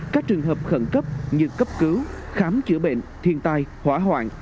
các trường hợp khẩn cấp như cấp cứu khám chữa bệnh thiên tai hỏa hoạn